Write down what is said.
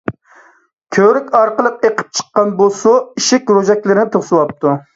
كۆۋرۈك ئارقىلىق ئېقىپ چىققان بۇ سۇ ئىشىك، روجەكلەرنى توسۇۋاپتۇ.